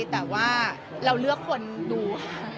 แต่ว่าเราเลือกคนดูค่ะ